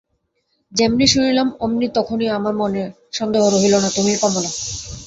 যেমনি শুনিলাম অমনি তখনই আমার মনে সন্দেহ রহিল না তুমিই কমলা।